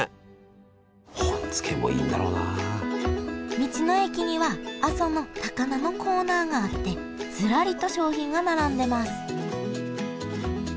道の駅には阿蘇の高菜のコーナーがあってずらりと商品が並んでます